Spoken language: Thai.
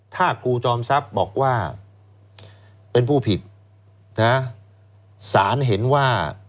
ถ้าครูจอมทรัพย์บอกว่าเป็นผู้ผิดนะสารเห็นว่า